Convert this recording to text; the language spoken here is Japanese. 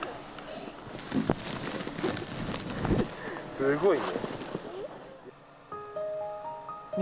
すごいね。